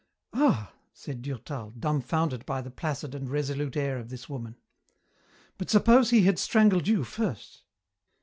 "Ah!" said Durtal, dumbfounded by the placid and resolute air of this woman, "but suppose he had strangled you first?"